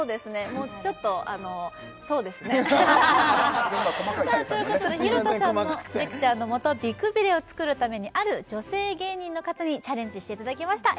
もうちょっとあのそうですねさあということで廣田さんのレクチャーのもと美くびれを作るためにある女性芸人の方にチャレンジしていただきました